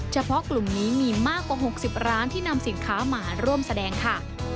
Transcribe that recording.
เฉพาะกลุ่มนี้มีมากกว่า๖๐ร้านที่นำสินค้ามาร่วมแสดงค่ะ